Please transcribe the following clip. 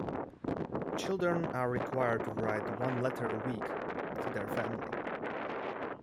Children are required to write one letter a week to their family.